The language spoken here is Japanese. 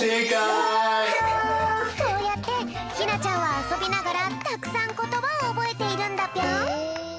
こうやってひなちゃんはあそびながらたくさんことばをおぼえているんだぴょん。